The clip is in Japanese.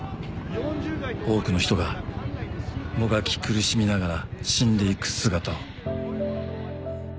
４０代と思われる多くの人がもがき苦しみながら死んでいく姿を。